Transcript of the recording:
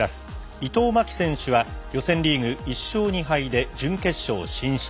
伊藤槙紀選手は予選リーグ１勝２敗で準決勝進出。